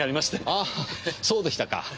ああそうでしたか。